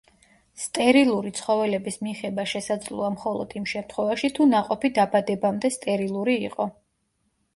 სტერილური ცხოველების მიღება შესაძლოა მხოლოდ იმ შემთხვევაში, თუ ნაყოფი დაბადებამდე სტერილური იყო.